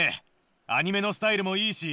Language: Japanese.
アニメのスタイルもいいし